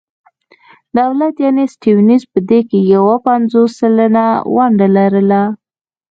دولت یعنې سټیونز په دې کې یو پنځوس سلنه ونډه لرله.